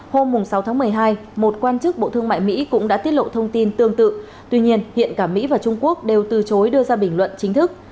hôm sáu tháng một mươi hai một quan chức bộ thương mại mỹ cũng đã tiết lộ thông tin tương tự tuy nhiên hiện cả mỹ và trung quốc đều từ chối đưa ra bình luận chính thức